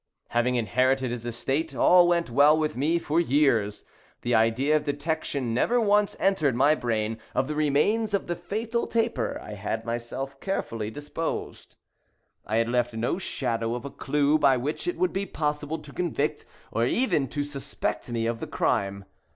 Having inherited his estate, all went well with me for years. The idea of detection never once entered my brain. Of the remains of the fatal taper I had myself carefully disposed. I had left no shadow of a clew by which it would be possible to convict, or even to suspect me of the crime.